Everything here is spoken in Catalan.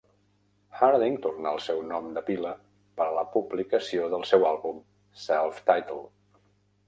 Harding tornà al seu nom de pila per a la publicació del seu àlbum, "Self-Titled".